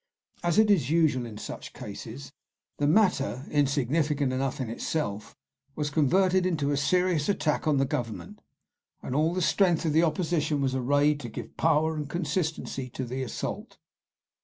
As is usual in such cases, the matter, insignificant enough in itself, was converted into a serious attack on the Government, and all the strength of the Opposition was arrayed to give power and consistency to the assault.